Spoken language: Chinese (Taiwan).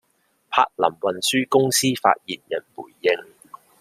柏林運輸公司發言人則回應：